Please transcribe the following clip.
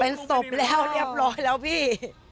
เป็นศพแล้วเรียบร้อยแล้วพี่